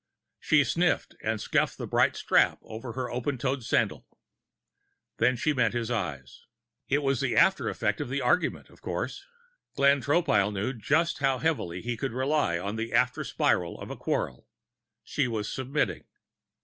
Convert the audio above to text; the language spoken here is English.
She sniffled and scuffed the bright strap over her open toed sandal. Then she met his eyes. It was the after effect of the argument, of course. Glenn Tropile knew just how heavily he could rely on the after spiral of a quarrel. She was submitting.